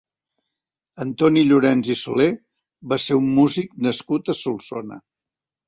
Antoni Llorens i Solé va ser un músic nascut a Solsona.